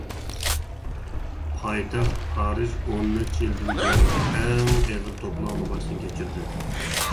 پايتەخت پارىژ ئون نەچچە يىلدىن بۇيانقى ئەڭ ئېغىر توپىلاڭنى باشتىن كەچۈردى.